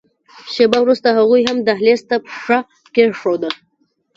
شېبه وروسته هغوی هم دهلېز ته پښه کېښوده.